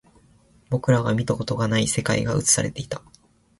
僕らが見たことがない世界が映されていた